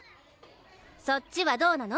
そっちはどうなの？